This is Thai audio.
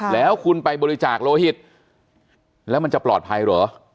แล้วคุณไปบริจาคโลหิตแล้วมันจะปลอดภัยเหรอ